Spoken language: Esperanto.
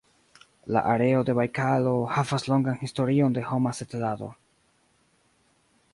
La areo de Bajkalo havas longan historion de homa setlado.